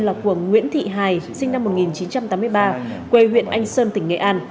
là của nguyễn thị hài sinh năm một nghìn chín trăm tám mươi ba quê huyện anh sơn tỉnh nghệ an